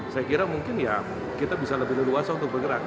saya kira mungkin kita bisa lebih luas untuk bergerak